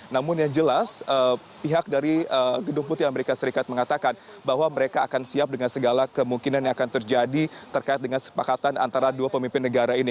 namun yang jelas pihak dari gedung putih amerika serikat mengatakan bahwa mereka akan siap dengan segala kemungkinan yang akan terjadi terkait dengan sepakatan antara dua pemimpin negara ini